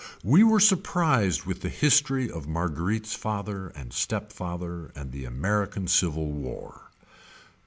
We were surprised with the history of Marguerite's father and step father and the American Civil War.